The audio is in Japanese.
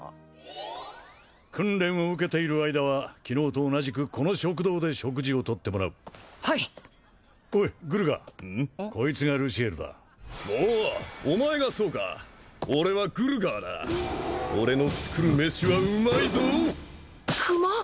訓練を受けている間は昨日と同じくこの食堂で食事を取ってもらうはいおいグルガーこいつがルシエルだおおお前がそうか俺はグルガーだ俺の作るメシはうまいぞ熊！？